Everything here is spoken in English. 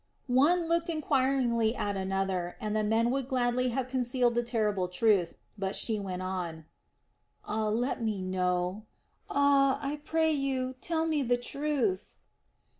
One looked enquiringly at another, and the men would gladly have concealed the terrible truth; but she went on: "Oh, let me know. Ah, I pray you, tell me the truth!"